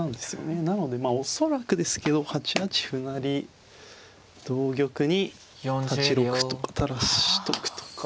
なので恐らくですけど８八歩成同玉に８六歩と垂らしとくとか。